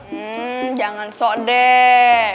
hmm jangan sok deh